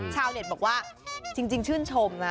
ชาวเน็ตบอกว่าจริงชื่นชมนะ